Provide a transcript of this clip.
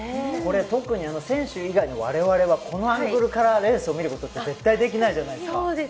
特に選手以外の我々は、このアングルからレースを見ることって絶対できないじゃないですか。